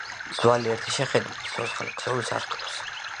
ძვალი ერთი შეხედვით ცოცხალ ქსოვილს არ ჰგავს.